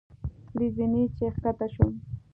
له زینې چې ښکته شوم.